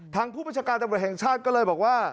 ทางผู้บัญชาการตำรวจแห่งชาติก็เลยบอกว่า